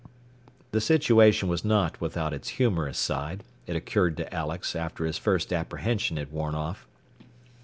The situation was not without its humorous side, it occurred to Alex after his first apprehension had worn off.